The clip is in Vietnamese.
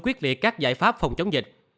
quyết định các giải pháp phòng chống dịch